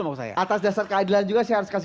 maksud saya atas dasar keadilan juga saya harus kasih